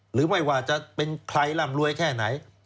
หรือไม่ว่าจะเป็นใครร่ำรวยแค่ไหน